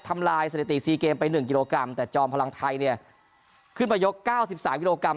ทำลายไปหนึ่งกิโลกรัมแต่จอมพลังไทยเนี้ยขึ้นมายกเก้าสิบสามกิโลกรัม